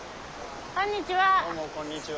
こんにちは。